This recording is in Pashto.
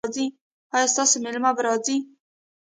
ایا ستاسو میلمه به راځي؟